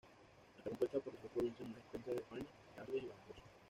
Está compuesta por las dos provincias más extensas de España: Cáceres y Badajoz.